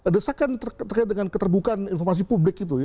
desakan terkait dengan keterbukaan informasi publik itu